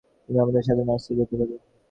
Smith, তুমি তাদের সাথে নাচতে যেতে পারো।